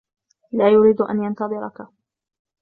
لا يريد أن ينتظرك.